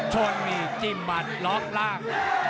ชนนี่จิ้มบัดล็อกล่าง